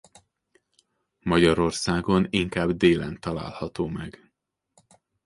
Magyarországon inkább délen található meg.